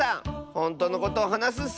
ほんとうのことをはなすッス！